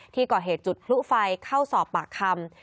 ที่ก่อเหตุจุดพลุไฟเข้าสอบปากคำ